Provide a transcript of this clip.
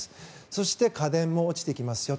そして、家電も落ちてきますよ。